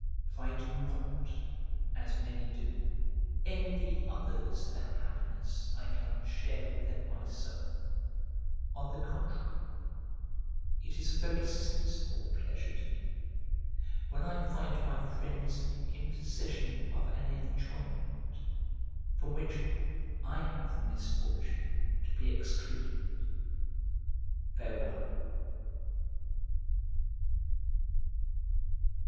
For I do not (as many do) envy others the happiness I cannot share with them myself: on the contrary, it is a very sensible pleasure to me when I find my friends in possession of an enjoyment from which I have the misfortune to be excluded. Farewell.